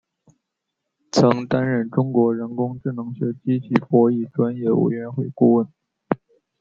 曾担任中国人工智能学会机器博弈专业委员会顾问。